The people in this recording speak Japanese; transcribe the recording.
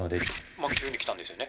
まぁ急に来たんですよね